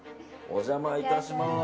お邪魔いたします。